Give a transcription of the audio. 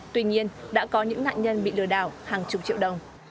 tuy nhiên đã có những nạn nhân bị lừa đảo hàng chục triệu đồng